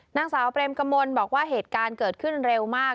นางสาวเปรมกมลบอกว่าเหตุการณ์เกิดขึ้นเร็วมาก